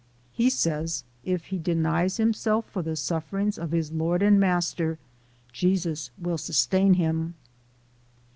He says if he denies himself for the sufferings of his Lord an' Master, Jesus will sustain him."